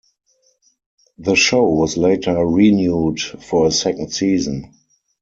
The show was later renewed for a second season.